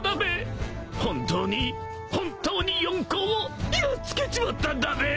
本当に本当に四皇をやっつけちまったんだべ！